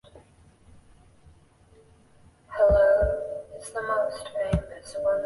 罗克韦斯特是位于美国阿拉巴马州威尔科克斯县的一个非建制地区。